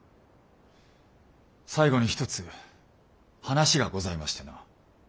最後に一つ話がございましてな。